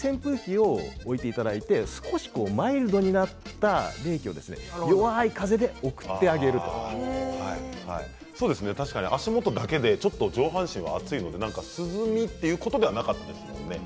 ここに扇風機を置いていただいて少しマイルドになった冷気を確かに足元だけで上半身は暑い涼みということではなかったですね。